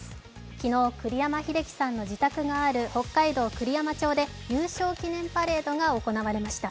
昨日、栗山英樹さんの自宅がある北海道栗山町で優勝記念パレードが行われました。